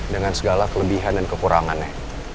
dengan segala kelebihan dan kekurangannya